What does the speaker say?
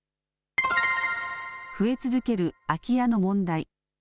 増え続ける空き家の問題。